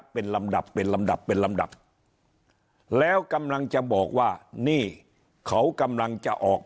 เป็นลำดับเป็นลำดับเป็นลำดับแล้วกำลังจะบอกว่านี่เขากำลังจะออก